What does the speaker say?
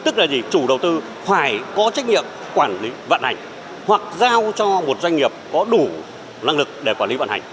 tức là gì chủ đầu tư phải có trách nhiệm quản lý vận hành hoặc giao cho một doanh nghiệp có đủ năng lực để quản lý vận hành